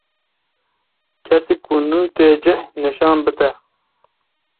Kesî ku nû tê cih nişan bide